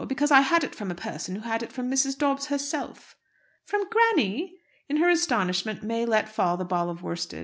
Because I had it from a person who had it from Mrs. Dobbs herself." "From granny?" In her astonishment May let fall the ball of worsted.